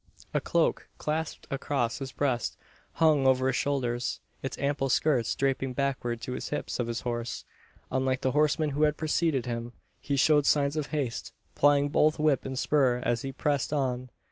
A cloak clasped across his breast hung over his shoulders, its ample skirts draping backward to the hips of his horse. Unlike the horseman who had preceded him, he showed signs of haste plying both whip and spur as he pressed on.